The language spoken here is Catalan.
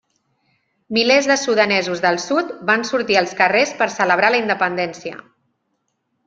Milers de sudanesos del sud van sortir als carrers per celebrar la independència.